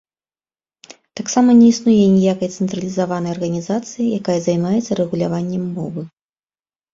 Таксама не існуе ніякай цэнтралізаванай арганізацыі, якая займаецца рэгуляваннем мовы.